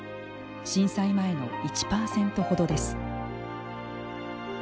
震災前の１％ほどです。